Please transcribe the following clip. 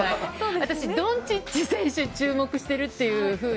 私、ドンチッチ選手注目してるっていうふうに。